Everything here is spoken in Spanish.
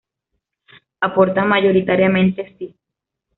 Aportan mayoritariamente Si.